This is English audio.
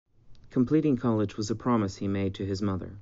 Completing college was a promise he made to his mother.